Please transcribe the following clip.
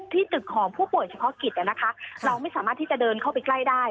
ที่ตึกของผู้ป่วยเฉพาะกิจเราไม่สามารถที่จะเดินเข้าไปใกล้ได้